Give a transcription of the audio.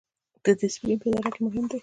ډیسپلین په اداره کې مهم دی